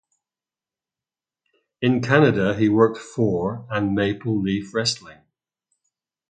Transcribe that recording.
In Canada, he worked for and Maple Leaf Wrestling.